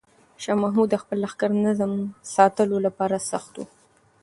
شاه محمود د خپل لښکر نظم ساتلو لپاره سخت و.